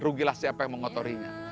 rugilah siapa yang mengotorinya